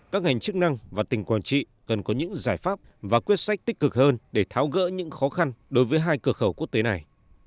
các ngành chức năng và tỉnh quảng trị cần có những giải pháp và quyết sách tích cực hơn để tháo gỡ những khó khăn đối với hai cửa khẩu quốc tế này